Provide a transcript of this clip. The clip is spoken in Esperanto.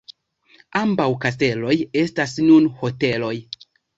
Ambaŭ kasteloj estas nun hoteloj.